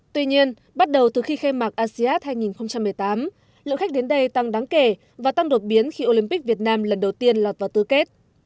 tuy nhiên bắt đầu từ khi khai mạc asean hai nghìn một mươi tám lượng khách đến đây tăng đáng kể và tăng đột biến khi olympic việt nam lần đầu tiên lọt vào tư kết